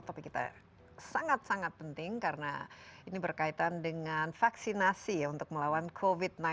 topik kita sangat sangat penting karena ini berkaitan dengan vaksinasi ya untuk melawan covid sembilan belas